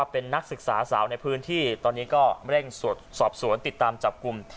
เป็นนักศึกษาสาวในพื้นที่ตอนนี้ก็เร่งสอบสวนติดตามจับกลุ่ม